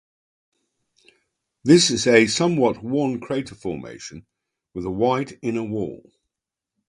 This is a somewhat worn crater formation with a wide inner wall.